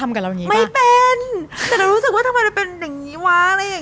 ไม่เป็นแต่เรารู้สึกทุกคนจะเป็นอย่างนี้วะ